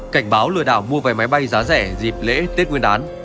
cảnh báo lừa đảo mua về máy bay giá rẻ dịp lễ tết nguyên đán